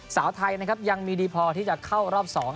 สาวไทยนะครับยังมีดีพอที่จะเข้ารอบ๒